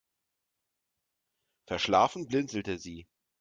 Verschlafen blinzelte sie.